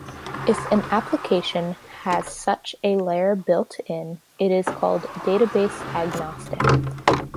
If an application has such a layer built in, it is called database-agnostic.